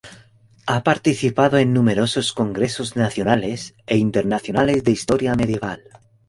Ha participado en numerosos congresos nacionales e internacionales de Historia Medieval.